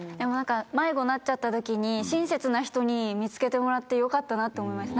迷子になっちゃった時に親切な人に見つけてもらってよかったなって思いました。